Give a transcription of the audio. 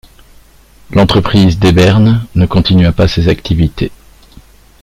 L'entreprise d'Hebern ne continua pas ses activités.